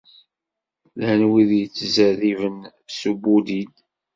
Llan wid yettzerriben s ubudid.